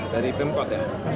dari pemkot ya